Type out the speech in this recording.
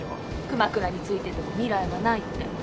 熊倉に付いてても未来はないって。